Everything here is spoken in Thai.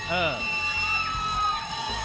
เออ